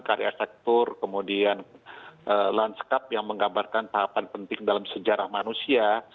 karya sektor kemudian lanskap yang menggambarkan tahapan penting dalam sejarah manusia